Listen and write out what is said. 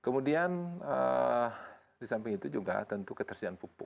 kemudian di samping itu juga tentu ketersediaan pupuk